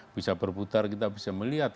bisa berputar kita bisa melihat